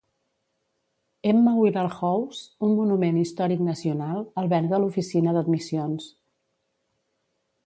Emma Willard House, un Monument Històric Nacional, alberga l'oficina d'admissions.